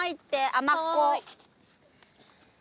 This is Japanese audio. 甘っこ。